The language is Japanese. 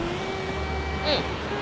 うん。